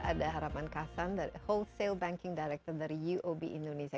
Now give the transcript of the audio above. ada harapan kasan dari wholesale banking director dari uob indonesia